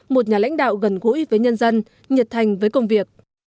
một nhà lãnh đạo gần gũi với nhân dân nhiệt thành với công việc